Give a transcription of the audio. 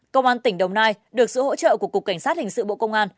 công an tỉnh đồng nai được sự hỗ trợ của cục cảnh sát hình sự bộ công an